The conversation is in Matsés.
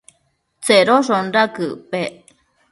Tsedoshonda quëc pec?